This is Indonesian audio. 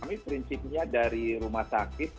kami prinsipnya dari rumah sakit